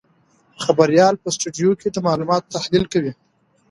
خبریال په سټوډیو کې د معلوماتو تحلیل کوي.